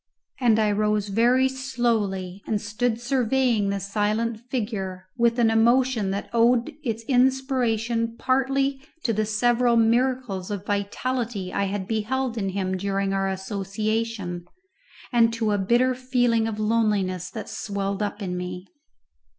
And I rose very slowly and stood surveying the silent figure with an emotion that owed its inspiration partly to the several miracles of vitality I had beheld in him during our association, and to a bitter feeling of loneliness that swelled up in me.